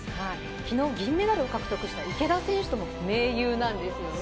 昨日、銀メダルを獲得した池田選手とも盟友なんですよね。